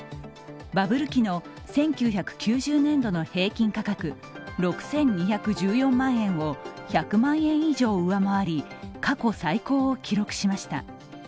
バブル期の１９９０年度の平均価格６２１４万円を１００万円以上、上回り過去最高を記録しました。